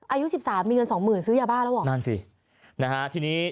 อายุ๑๓มีเงิน๒๐๐๐๐ซื้อยาบ้าแล้วเหรอนั่นสิทีนี้